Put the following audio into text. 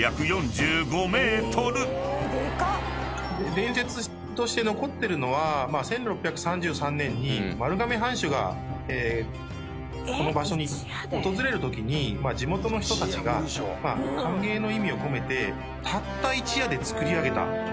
伝説として残ってるのは１６３３年に丸亀藩主がこの場所に訪れるときに地元の人たちが歓迎の意味を込めてたった一夜で造り上げたものらしいんですよね。